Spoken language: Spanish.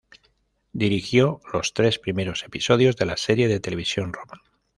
Dirigió los tres primeros episodios de la serie de televisión Roma.